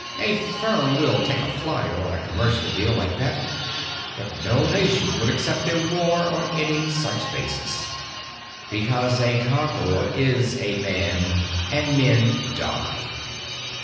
A firm will take a flyer on a commercial deal like that, but no nation would accept a war on any such basis—because a conqueror is a man, and men die.